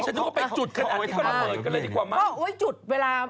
ฉันต้องก็ไปจุดขนาดนี้ก็ได้